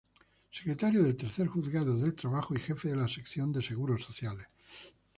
Secretario del tercer Juzgado del Trabajo y jefe de la sección de Seguros Sociales.